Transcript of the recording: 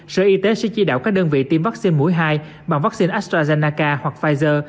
sở y tế sẽ chỉ đạo các đơn vị tiêm vaccine mũi hai bằng vaccine astrazennaca hoặc pfizer